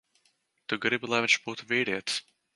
Tu gribi, lai viņš būtu vīrietis.